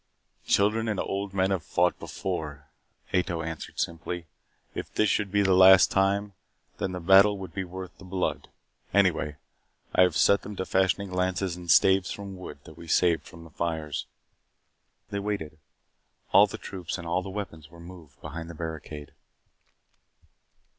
"Children and old men have fought before," Ato answered simply. "If this should be the last time, then the battle would be worth the blood. Anyway, I have set them to fashioning lances and staves from wood that we saved from the fires." They waited. All the troops and all the weapons were moved behind the barricade.